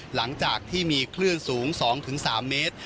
หลังจากที่มีคลื่นสูง๒๓เมตร